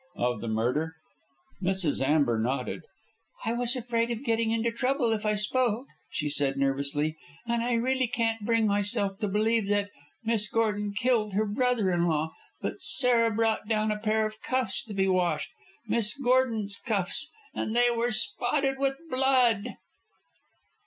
"Of the murder?" Mrs. Amber nodded. "I was afraid of getting into trouble if I spoke," she said nervously, "and I really can't bring myself to believe that, Miss Gordon killed her brother in law. But Sarah brought down a pair of cuffs to be washed Miss Gordon's cuffs and they were spotted with blood!"